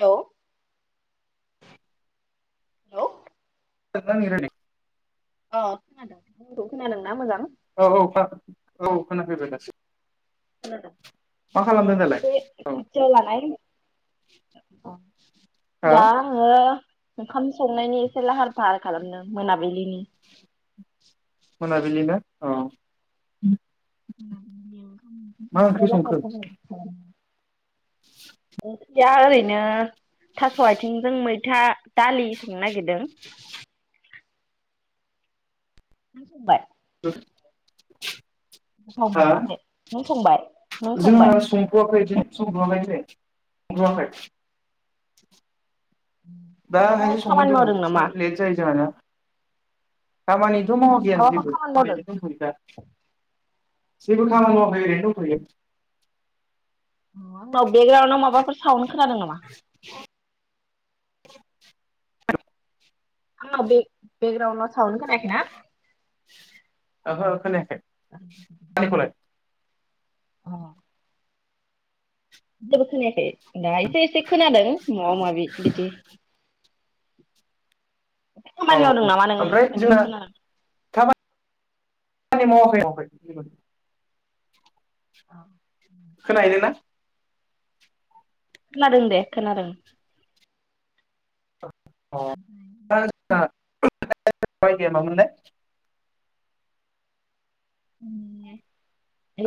Hello. Hello. [unintelligible] अ खोनादों। आंनिखौ खोनादोंना मोजां? औ औ औ औ खोनाफैबाय दासो। खोनादों? मा खालामदों नों दालाय बे औ खाथियाव लानाय हा दा आङो ओंखाम संनायनि एसे लाहार-फाहार खालामदों मोनाबिलिनि। मोनाबिलि ना औ। मोनाबिलिनि ओंखाम ओंख्रि मा संनो संखो लाहार-फाहार खालामदों। नो थास' आथिंजों मै था दालि संनो नागिरदों। नों संबाय? [inaudible] गोथाव हा मोनसे नों संबाय? नों जोंहा संबाय? संथ'वाखै दिनै संथ'वाखै नै संथ'वाखै। माबाफोर दाहायसो खामानि संगोन जोङो मावदों एसे नामा लेट जायो जोंहानिया। दामानि थ' मावाखै आं माबाफोर जेबो खामानि मावदों ओरैनो दंथ'यो दा। जेबो मावाखै ओरैनो दंथ'यो। उनाव बेकग्राउनाव माबाफोर सावन खोनादों नामा? [inaudible] बेकग्राउनाव सावन खोनायाखैना? ओहो खोनायाखै। आंनिखौलाय? औ जेबो खोनायाखै दायोसो एसे खोनादों माबा माबि बिदि [inaudible] औ खामानि औ मावदों नामा नोङो ओमफ्राय खोनादों जोंना [inaudible] खामानि मावाखै मावाखै जेबो औ खोनाहैदों ना? खोनादों दे खोनादों अ [inaudible] [inaudible] दाया मामोनलाय? [unintelligible]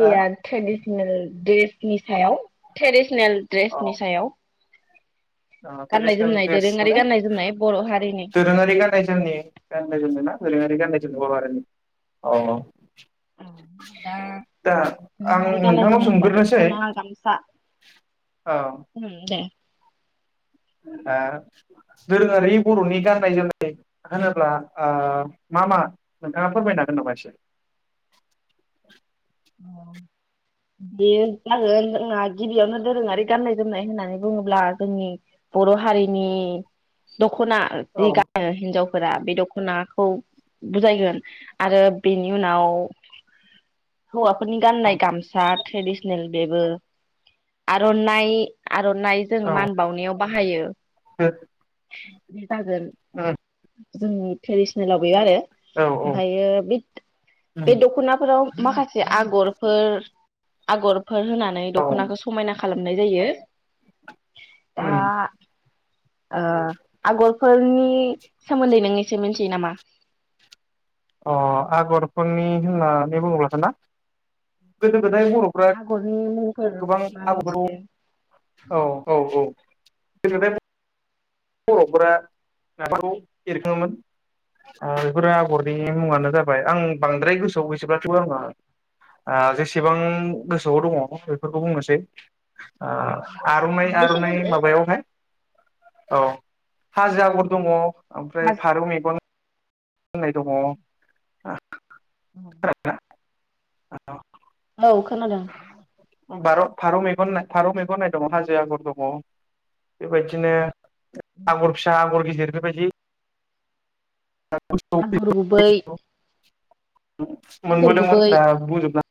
हा सायाव ट्राडिसेनेल ड्रेसनि सायाव गाननाय ट्राडिसेनल जोमनाय दोरोङारि द्रेसखौनो गाननाय जोमनाय बर' हारिनि दोरोङारि गाननाय जोमनाय गाननाय जोमनाय ना दोरोङारि गाननाय जोमनाय बर' हारिनि अ दा दा आं दोरोङारि गाननाय नोंथांनाव जोमनाय होनबा सोंग्रोनोसै दख'ना गामसा औ उम दे दोरोङारि बर'नि गान्नाय जोमनाय होनोब्ला मा मा नोंथाङा फोरमायनो हागोन नामा एसे? बे जागोन जोंहा गिबियावनो दोरोङारि गाननाय जोमनाय होननानै बुङोब्ला जोंनि बर' हारिनि दख'ना औ जि गानो हिनजावफोर फोर बे दख'नाखौ बुजायगोन आरो बेनि उनाव हौवाफोरनि गाननाय गामसा ट्रेडिसनेल बेबो आर'नाइ आर'नाइ जोङ मान बावनायाव बाहायो ओं बि जागोन जों ट्रेडिसनेलाव गैया आरो औ ओमफ्रायो बे बे उम दख'नाफोराव माखासे आगरफोर आगर फोर होनानै औ दख'नाखौ समायना खालामो खालामनाय जायो उम दा आगरफोरनि सोमोन्दै नों एसे मिथियो नामा? अ आगरफोरनि होननानै बुङोब्लाथ' ना गोदाय बर'फ्रा आगरनि मुंफोर गोबां मा मिथियो? आगरफोरखौ औ -औ -औ बर'फोरा आगरफोरखौ एरखाङोमोन बेफोरो आगरनि मुङानो जाबाय आं बांद्राय गोसोआव गैजोबा आङो जेसेबां गोसोआव दङ बेफोरखौ बुंनोसै आर'नाइ- मोननैसो आर'नाइ बुंदो। माबायावहाय औ हाजो आगर दङ ओमफ्राय हाजो फारौ मेगन होननाय दङ [unintelligible] औ औ खोनादों फारौ मेगन फारौ मेगन नाय दङ हाजो आगर दङ बेबायदिनो आगर फिसा आगर गिदिर बेबायदि आगर गुबै आगर मोनबोदोंमोन गुबै दा बुजोबनो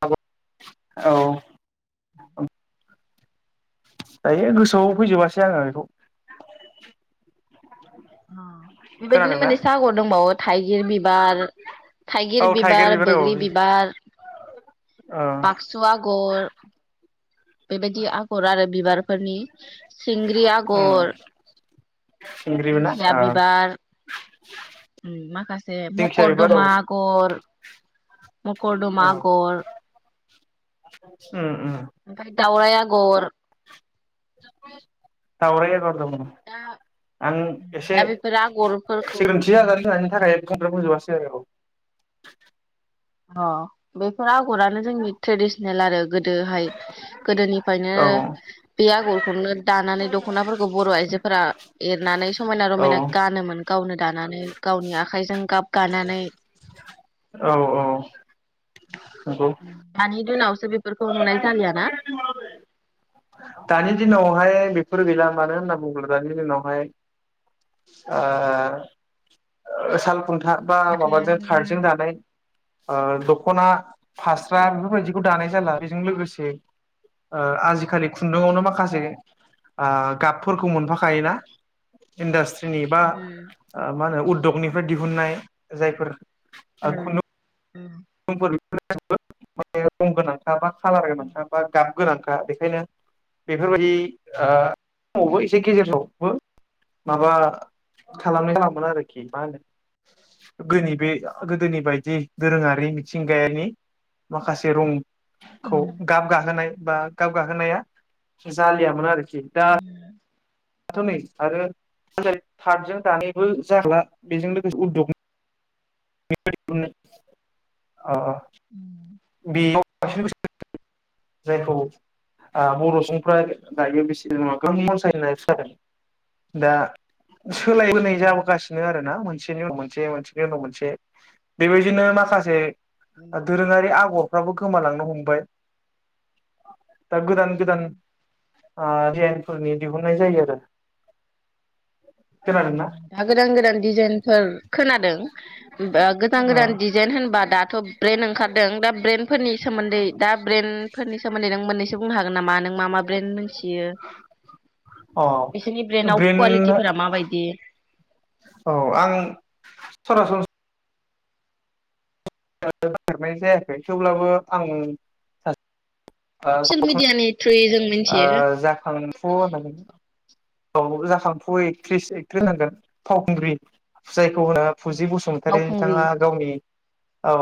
[unintelligible] औ [unintelligible] दायो गोसोआव फैजोबासै आङो बेखौ अ बेबायदिनो खोनादोंना मोननैसो आगर दंबावो थाइगिर औ बिबार-थाइगिर थाइगिर बिबार, औ बोग्रि बिबार, ओ बाक्सु आगर बेबायदि आगर आरो बिबारफोरनि सिंग्रि उम आगर सिंग्रिबो ना दिंखिया ओ बिबार उम माखासे दिंखिया बिबार औ मकरदमा आगर मकरदमा औ आगर उम - उम उमफ्राय दावराय आगर दावराय आगर औ दा आं एसे दा बेफोर आगरफोरखौ सिग्रोनथि उम जानानै होननि थाखाय बुंजोबासै आऔ अ बैफोर आगर आगरानो जोंनि ट्रेडिसनेल आरो गोदोहाय गोदोनिफ्रायनो औ बे आगर खौनो दानानै दख'नाफोरखौ बर' आइजोफोरा एरनानै समायना- औ रमायना गानोमोन गावनो दानानै गावनि आखाइजों गाब गानानै औ-औ दानि दिनाव बेफोरखौ नुनाय जालिया ना दानि दिनावहाय बेफोर गैला मानो होनना बुङोब्ला दानि दिनावहाय ओ ओ साल खुन्था बा माबाजों कारजों जानाय ओ दख दख'ना फास्रा बेफोरबायदि खौ दानाय जाला बेजों लोगोसे ओ आजिखालि खुन्दुावनो माखासे ओ गाबफोरखौ मोनफाखायोना इन्डास्ट्रि जेनेबा उम ओ मा होनो उद दगनिफ्राय दिहुननाय जायफोर उम उम [unintelligible] खालार मोनफ्रांबा गान- गोनांखा बेखायनो बेफोरबायदि आ समावबो एसे गेजेरावबो माबा खालामनाय खालामोन आरोखि मा होनो गोनि बे गोदोनि बायदि दोरोङारि बै मिथिंगायानि माखासे रंखौ गाब गाहोनाय बा गाब गाहोनाया जालियामोन आरो खि दा दाथ नै आरो थातजों दानायबो जाखाला बेजों लोगोसे [unintelligible] अ औ बेयाव जायखौ आ बर सुबुंफ्रा दायो बेसे गो मनसायो होननाय फ जादों दा सोलायबोनाय जाबोगासिनो आरो ना मोनसेनि उनाव मोनसे मोनसेनि उनाव मोनसे बेबायदिनो माखासे दुरुंरि आं- गफ्राबो गोमालांनो हमबाय दा गोदोन गोदान जा बेफारनि दिहुन्नाय जायो आरो खोनादोंना दा गोदान गोदान डिजाइनफोर खोनादों गोदान गोदान डिजाइन होनबा दाथ ब्रेन्द ओंखारदों ब्रेन्ड फोरनि सोमोन्दै दा ब्रेन्ड फोरनि सोमोन्दै नों मोननैसो बुंनो हागोन नामा नों मा मा ब्रेन्ड मोनथियो बिसोरनि अ ब्रेन्डआव ब्रेन्ड कुवालिटिफोरा माबाय [unintelligible] औ आं सरासनस नागेरनाय जायाखै थेवब्लाबो आं सा ससियेल मिडया नि थ्रुयै जों मिथियो आ जाखा- खांफु होन औ जाखांफु एस एक्ट्रिस होनांगोन फावखुंग्रि जायखौ होनो फुजि बसुमतारी फावखुंग्रि बिथाङा गावनि औ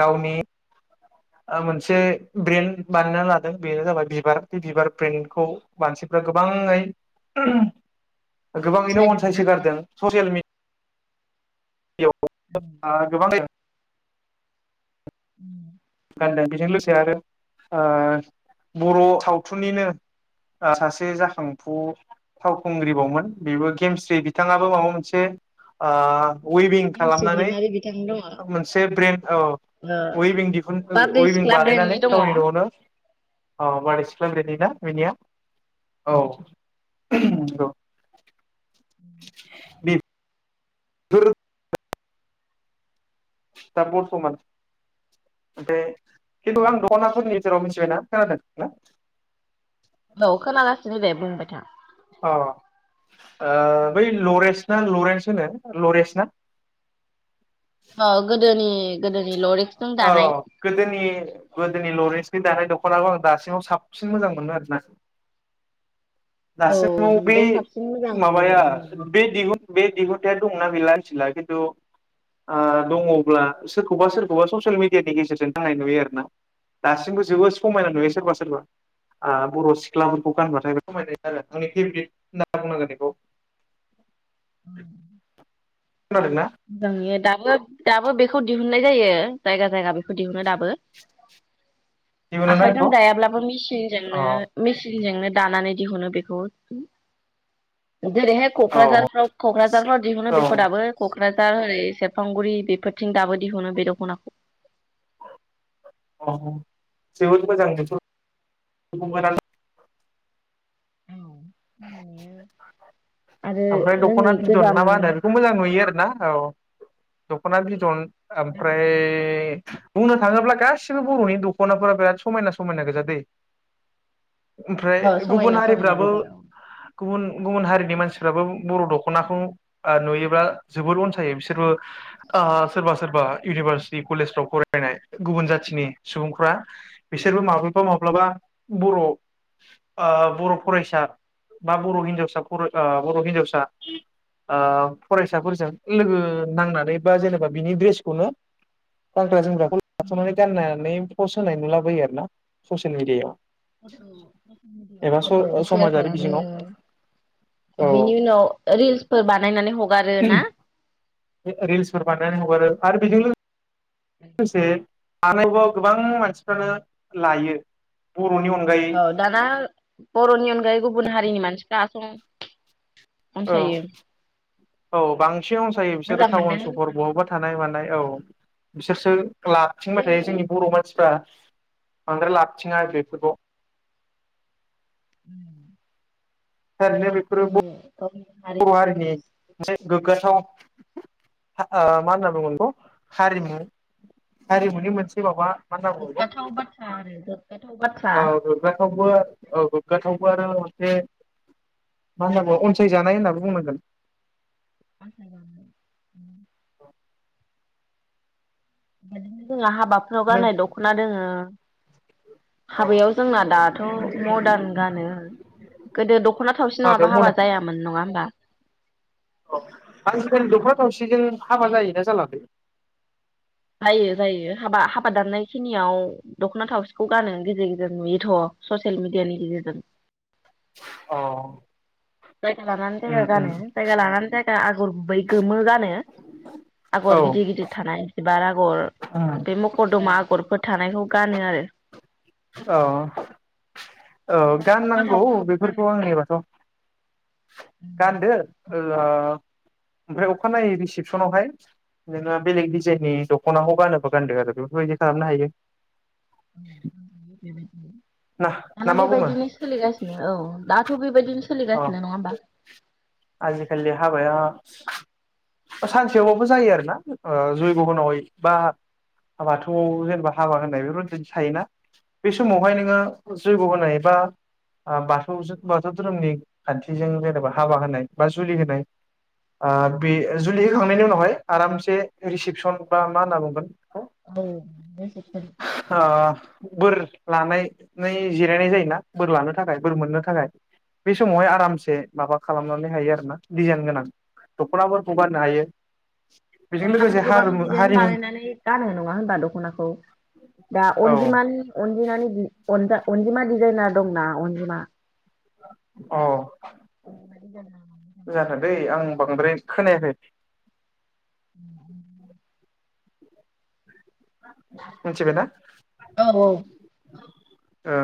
गावनि मोनसे ब्रेन्ड बानायना लादों बेनो जाबाय बिबार बे बिबार ब्रेनखौ मानसिफ्रा गोबाङै गोबाङैनो अनसायसोगारदों ससियेल मि गोबांयै उम गान्दों बेजों लोगोसे आरो आं बर सावथुननिनो सासे जाखांफु फावखुंग्रिबावमोन बेबो गेमस्रि बिथाङाबो माबा मोनसे आ वइभिं हिमसु खालामनानै दैमारि बिथां दङ ओ मोनसे ब्रेन्द औ वइभिं दि बारदै उइभिं सिख्ला बानायनानै ब्रेन्डनि दङ गावनि नआवनो अ बायदिसि- सान्दि गैला गैनाया औ औ बि सोर? दा बरथमान ओमफ्राय खिन्थु आं दख'नाफोरनिेजेराव मिथिबायना खोनादों ना? औ खोनागासिनो दे बुंबाय था अ बै लरेस ना लरेन्स होनो लरेस ना? ओ गोदोनि गोदोनि लरिक्सजों औ दानाय गोदोनि गोदोनि लरेन्सनि दानाय दख ककनाखौ आं दासिमाव साबसिन मोजां मोनो आरोना। औ दासिमाव बे साबसिन मोजां नुयो माबाया ओं बे दिहुन बे दिहुनथाया दंना गैला आसिला खिन्थु दङब्ला सोरखौबा सोरखौबा ससियेल मिडियानि गेजेरजों थाखाय नुयो आरो ना दासिमबो जोबोद समायना नुयो सोरबा सोरबा? बर' सिख्लाफोरखौ गानबाथाय समाय आरो आंनि फेभरेट होनना बुंनांगोन बेखौ। [unintelligible] [unintelligible] दाबो बेखौ दिहुननाय जायो जायगा जायगा बेखौ दिहुनो दाबो। जेबो नङा आखाइजों बेखौ दायाब्लाबोनजों अ मेसिनजोंनो दानानै दिहुनो बेखौ जेरैहाय औ क'क्राझारफ्राव क'क्राझारफ्राव दिहुनो औ बेखौ दाबो क'क्राझार ओरै सेरफांगुरि बेफोरथिं दाबो दिहुनो बे दख'नाखौ। अ जोबोद मोजां बेथ' आरो ओमफ्राय जोंनि दख'नाथ बिदन गोजाम ना मा होनो बेखौ मोजां नुयो आरो? ना औ दखनाार बिदन ओमफ्राय बुंनो थाङोब्ला गासिबो बर'नि दख'नाफोरा बिराद समायना समायनागोजा दे। ओमफ्राय औ गुबुन समायना समायना हारिफ्राबो गोजा गुबुन गुबुन हारिनि मानसिफ्राबो बर' दख'नाखौ ओ नुयोब्ला जोबोद अनसायो बिसोरबो ओ सोरबा सोरबा इउनिभारसिटि कलेजफ्राव फरायनाय गुबुन जाथिनि सुबुंफ्रा बिसोरबो माब्लाबा माब्लाबा बर' ओ बर' फरायसा बा बर' हिन्जावसा फराय ओ बर' हिनजावसा ओ फरायसाफोरजों लोगो नांनानै बा जेनेबा बिनि ड्रेसखौनो गानग्रा जोमग्राखौ लाथ'नानै गाननानै पस्ट होनाय नुलाबायो आरो ना ससियेल मेडियायाव। [unintelligible] ससेल मेडियायाव फट' सेयार समाजारि खालाम बिजोङाव [unintelligible] बेनि औ उनाव रिल्सफोर बानायनानै हगारो ना? रि-रिल्सफोर बानायनानै हगारो आरो बेजों लो लोगोसे आरोबाव गोबां मानसिफ्रानो लायो। बर'नि अनगायै औ दाना बर'नि अनगायै गुबुन हारिनि मानसिफ्रा सं औ औ बांसिन अनसायो बिसोरो टाउन सहर बहाबा थानाय मानाय औ बिसोरसो लाबथिंबाय थायो जोंनि बर' मानसिफ्रा बांद्राय लाबथिङा बेफोरखौ [inaudible] थारैनो बेफोरो गावनि गावनि बर' हारिनि मोनसे गोग्गाथाव। ओ मा होनना बुंगोन बेखौ हारिमु हारिमुनि मोनसे माबा गोग्गाथाव बाथ्रा आरो गोग्गा औ गोग्गाथावबो औ गोग्गाथाव आरो मोनसे मा होनना बुङो अनसायजानाय होननाबो बुंनांगोन। अनसायजानाय [unintelligible] जोंनि हाब हाबाफोराव नों गाननाय दख'ना दोङो हाबायाव जोंना दाथ' मरदान गानो, गोदो दख'ना थावसि माबायाव नङाबा हाबा जायामोन नङा होमबा? अ आजिखालि दख'ना थावसिजों हाबा जायोना जालालै? थायो जायो हाबा हाब हाबा दाननायखिनियाव दख'ना थावसिखौ गानो गेजेर गेजेर नुयोथ' ससियेल मिडियानि गेजेरजों। अ। जायगा लानानै जायगा उम उम गानो जायगा लानानै जायगा आगर गर गुबै गोमो गानो। नो औ आगर गिदिर गिदिर थानाय जिबार आगर बे मखर दङ मा आगरफोर, थानायखौ गानो आरो औ औ दख'ना गाननांगौ थावसिखौबो गानो बेफोरखौ आंनिबाथ' गान्दो ओ ओमफ्राय अखानायै रिसेपसनावहाय नोङो बेलेग डिजाइननि दख'नाखौ गानोबा गानदो आरो बेफोरबायदि खालामनो हायो। [inaudible] बेब ना ना दाना मा बुङो बेबायदिनो सोलिगासिनो औ दाथ' बेबायदि सोलि अ गासिनो नङा होमबा? आजिखालि हाबाया सानसेयावबो जायो आरोना ओ जैग' होनावै बा बाथौआव जेनेबा हाबा होनाय बेफोरबायदि थायोना बे समावहाय नोङो जैग' होनाय बा ओ बाथौजों बाथौ धोरोमनि खान्थिजों जेनेबा हाबा होनाय, बा जुलि होनाय ओ बे जुलि होखांनायनि उनावहाय आरामसे रिसिपसन बा मा होनना बुंगोन, [unintelligible] बोरलानाय नै जिरायनाय जायोना? बोर लानो थाखाय बोर मोननो थाखाय बे समावहाय आरामसे माबा खालाम, [unintelligible] आरो ना डिजाइन गोनां दखनाफोरखौ गाननो हायो, बेजों दानाथ' लोगोसे गोबां हारिमु डिजाइन हारिमु बानायनानै गानो नङा ओनबा दखनाखौ दा औ अनजिमानि अनजिमानि बि अनिथा अनजिमा डिजाइन दंना? अनजिमा। अ दै आं [unintelligible] बांद्राय खोनायाखै, [unintelligible] मिथिबायना? औ औ ओ